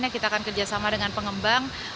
kita akan kerjasama dengan pengembang